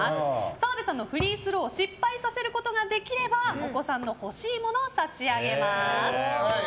澤部さんのフリースローを失敗させることができればお子さんの欲しいものを差し上げます！